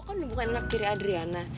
lo kan udah bukan anak tiri adriana